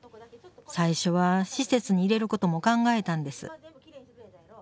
最初は施設に入れることも考えたんです。